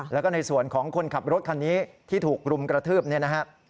แล้วก็ในส่วนของคนขับรถคันนี้ที่ถูกรุมกระทืบเนี่ยนะฮะ